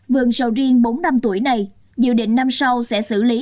vườn sầu riêng bốn năm tuổi này dự định năm sau sẽ xử lý